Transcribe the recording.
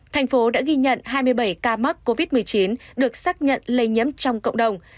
thành phố đã ghi nhận hai mươi bảy ca mắc covid một mươi chín được xác nhận lây nhiễm trong cộng đồng